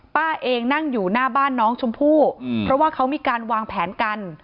ป้าเองนั่งอยู่หน้าบ้านน้องชมพู่เพราะว่าเขามีการวางแผนกัน